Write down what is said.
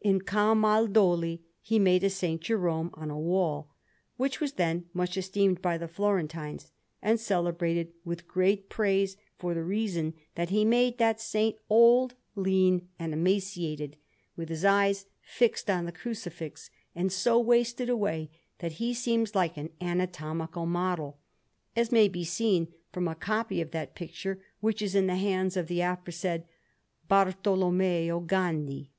In Camaldoli he made a S. Jerome on a wall, which was then much esteemed by the Florentines and celebrated with great praise, for the reason that he made that Saint old, lean, and emaciated, with his eyes fixed on the Crucifix, and so wasted away, that he seems like an anatomical model, as may be seen from a copy of that picture which is in the hands of the aforesaid Bartolommeo Gondi.